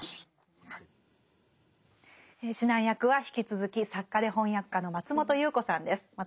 指南役は引き続き作家で翻訳家の松本侑子さんです。